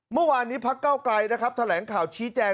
เมื่อวานนี้พักเก้าไกลนะครับแถลงข่าวชี้แจง